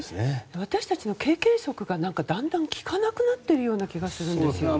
私たちの経験則がだんだん利かなくなってる気がするんですよね。